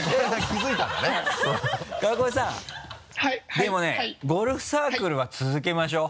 でもねゴルフサークルは続けましょう。